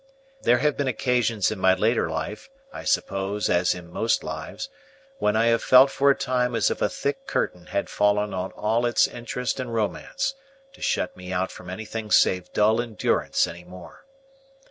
There have been occasions in my later life (I suppose as in most lives) when I have felt for a time as if a thick curtain had fallen on all its interest and romance, to shut me out from anything save dull endurance any more.